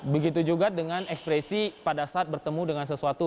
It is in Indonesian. begitu juga dengan ekspresi pada saat bertemu dengan sesuatu